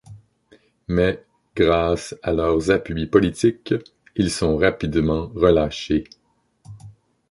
Mais, grâce à leurs appuis politiques, ils sont rapidement relâchés.